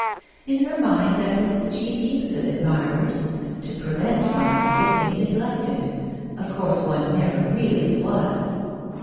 In her mind that was the chief use of admirers — to prevent one's looking neglected — of course one never really was